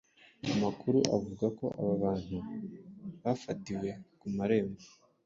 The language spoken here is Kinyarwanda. Amakuru avuga ko aba bantu bafatiwe ku marembo